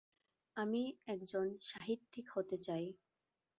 আমি একজন সাহিত্যিক হতে চাই।